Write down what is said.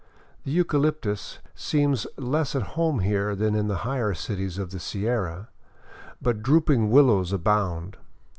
The eucalyptus seems less at home here than in the higher cities of the Sierra, but drooping willows abound.